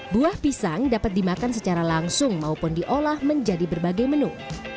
buah pisang dapat dimakan secara langsung maupun diolah menjadi berbagai menu